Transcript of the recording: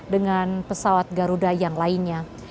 dengan pesawat garuda yang lainnya